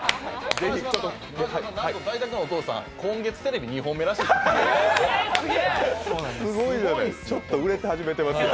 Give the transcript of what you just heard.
ダイタクのお父さん、今月テレビ２本目らしいですよ。